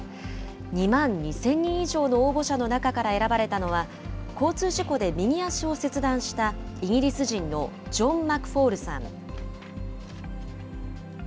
２万２０００人以上の応募者の中から選ばれたのは、交通事故で右足を切断したイギリス人のジョン・マクフォールさん。